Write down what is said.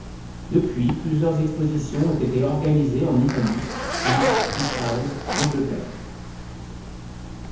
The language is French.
Depuis plusieurs expositions ont été organisées en Italie, France, Israël, Angleterre.